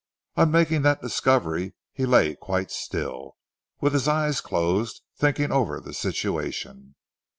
On making that discovery, he lay quite still, with his eyes closed, thinking over the situation.